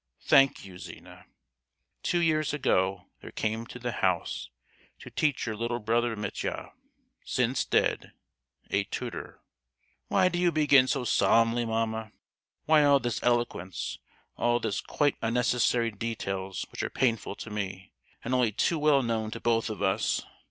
"Thank you, Zina!——Two years ago there came to the house, to teach your little brother Mitya, since dead, a tutor——" "Why do you begin so solemnly, mamma? Why all this eloquence, all these quite unnecessary details, which are painful to me, and only too well known to both of us?"